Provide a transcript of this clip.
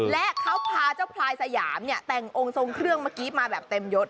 และเขาพาเจ้าพลายสยามเนี่ยแต่งองค์ทรงเครื่องเต็มยด